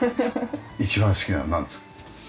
一番好きなのなんですか？